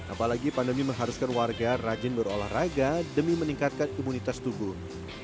apalagi pandemi mengharuskan warga rajin berolahraga demi meningkatkan imunitas tubuh